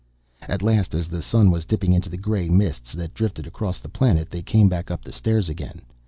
At last, as the sun was dipping into the gray mists that drifted across the planet they came back up the stairs again.